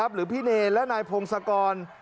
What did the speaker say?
หรือพี่เนรและนายพงศกร